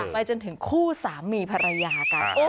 ไปจนถึงคู่สามีภรรยากัน